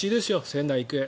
仙台育英。